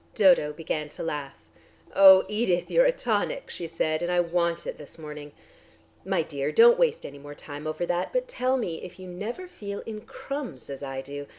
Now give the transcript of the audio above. Dodo began to laugh. "Oh, Edith, you are a tonic," she said, "and I want it this morning. My dear, don't waste any more time over that, but tell me if you never feel in crumbs as I do.